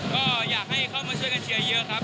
ก็อยากให้เข้ามาช่วยกันเชียร์เยอะครับ